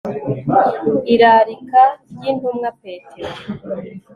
Irarika ryIntumwa Petero